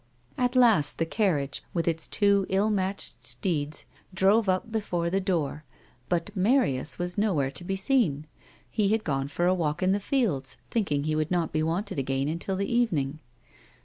At last the carriage, with its two ill matched steeds, drew up before the dooi , but Marius was nowhere to be seen ; he had gone for a walk in the fields, thinking he would not be wanted again vmtil the evening.